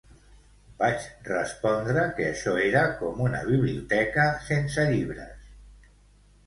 Vaig respondre que això era com una biblioteca sense llibres